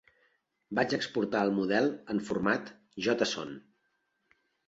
Vaig exportar el model en format json.